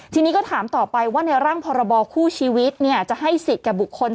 ทีนี้ก็ถามต่อไปว่าในร่างพรบคู่ชีวิตจะให้สิทธิ์แก่บุคคล